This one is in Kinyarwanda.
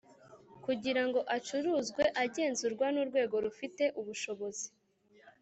kugira ngo acuruzwe agenzurwa n Urwego rufite ubushobozi